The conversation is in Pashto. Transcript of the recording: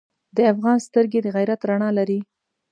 د افغان سترګې د غیرت رڼا لري.